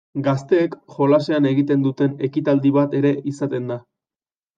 Gazteek jolasean egiten duten ekitaldi bat ere izaten da.